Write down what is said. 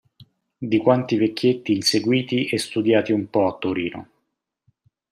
Di quanti vecchietti inseguiti e studiati un po' a Torino.